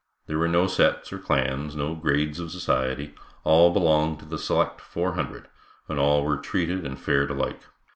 There were no sets or clans, no grades of society, all belonged to the select four hundred, and all were treated and fared alike.